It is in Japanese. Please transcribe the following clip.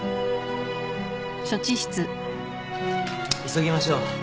急ぎましょう。